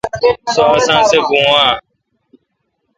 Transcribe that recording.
سو اسان سہ بھون اے۔